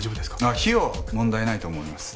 あっ費用は問題ないと思います。